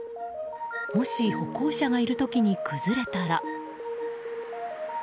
もし歩行者がいる時に崩れたら。